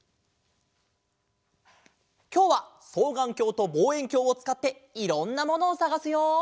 きょうはそうがんきょうとぼうえんきょうをつかっていろんなものをさがすよ！